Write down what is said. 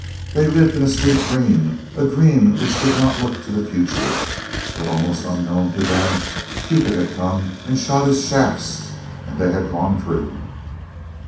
They lived in a sweet dream—a dream which did not look to the future. But almost unknown to them Cupid had come and shot his shafts, and they had gone true.